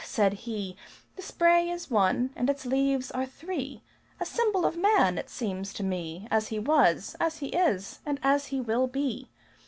said he, "The spray is one and its leaves are three, A symbol of man, it seems to me, As he was, as he is, and as he will be!